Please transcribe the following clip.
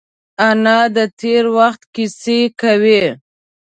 انا د تېر وخت کیسې کوي